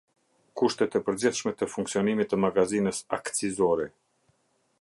Kushtet e përgjithshme të funksionimit të magazinës akcizore.